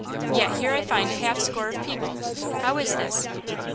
Yet, here I find a half a score of people! How is this?"